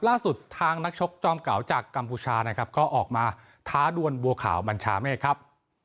ล่าสุดทางนักชกจอมเก่าจากกัมพูชานะครับก็ออกมาท้าดวนบัวขาวบัญชาเมฆครับ